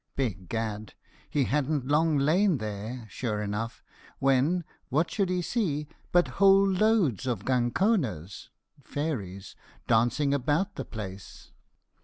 Begad, he hadn't long lain there, sure enough, when, what should he see but whole loads of ganconers dancing about the place.